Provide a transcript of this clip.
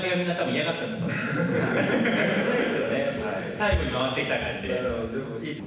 最後に回ってきた感じで。